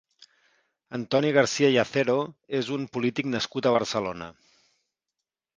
Antoni Garcia i Acero és un polític nascut a Barcelona.